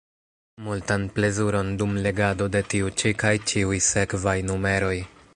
Multan plezuron dum legado de tiu ĉi kaj ĉiuj sekvaj numeroj!